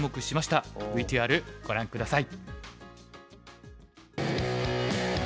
ＶＴＲご覧下さい。